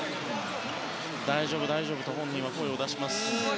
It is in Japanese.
大丈夫、大丈夫と本人は声を出しています。